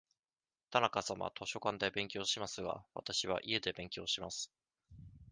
田中さんは図書館で勉強しますが、わたしは家で勉強します。